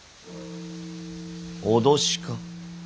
脅しか。